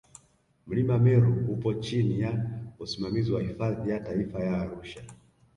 Mlima Meru upo chini ya usimamizi wa Hifadhi ya Taifa ya Arusha